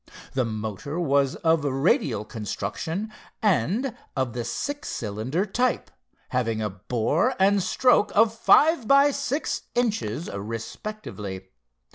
The motor was of radial construction and of the six cylinder type, having a bore and stroke of five by six inches respectively.